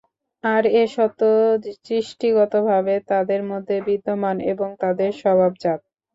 আর এ সত্য সৃষ্টিগতভাবে তাদের মধ্যে বিদ্যমান এবং তাদের স্বভাবজাত।